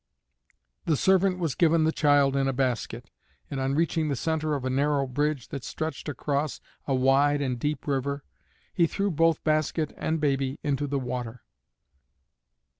The servant was given the child in a basket, and on reaching the center of a narrow bridge that stretched across a wide and deep river, he threw both basket and baby into the water.